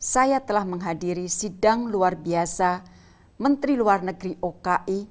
saya telah menghadiri sidang luar biasa menteri luar negeri oki